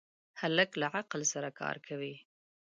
هلک له عقل سره کار کوي.